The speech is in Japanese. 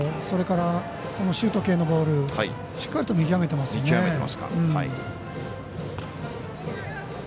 それから、シュート系のボールしっかりと見極めてますよね。